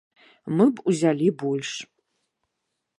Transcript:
Мы б узялі больш.